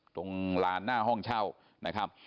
ตรงลานหน้าห้องเช่านะครับ